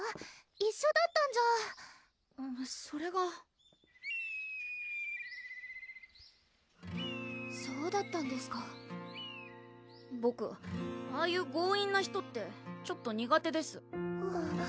一緒だったんじゃそれがそうだったんですかボクああいう強引な人ってちょっと苦手です